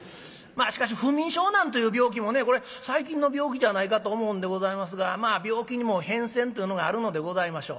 しかし不眠症なんという病気もねこれ最近の病気じゃないかと思うんでございますがまあ病気にも変遷というのがあるのでございましょう。